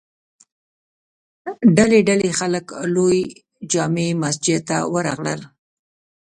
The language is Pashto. ډلې ډلې خلک لوی جامع مسجد ته ور راغلل.